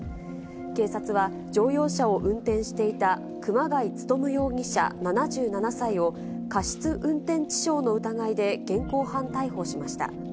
警察は、乗用車を運転していた熊谷勉容疑者７７歳を、過失運転致傷の疑いで現行犯逮捕しました。